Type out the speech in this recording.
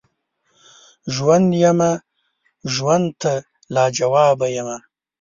ژوند یمه وژوند ته لاجواب یمه